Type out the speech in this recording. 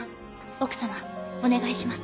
奥様お願いします。